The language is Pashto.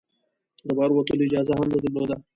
د بهر وتلو اجازه هم نه درلوده.